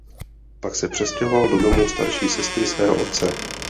Pak se přestěhoval do domu starší sestry svého otce.